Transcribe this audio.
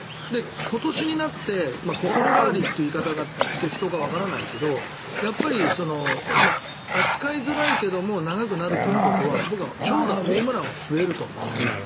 今年になって心変わりという言い方が適当かわからないけど扱いづらいけども長くなるということは僕は長打、ホームランが増えると思うんです。